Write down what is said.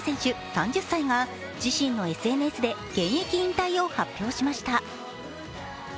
３０歳が自身のＳＮＳで現役引退を発表しました。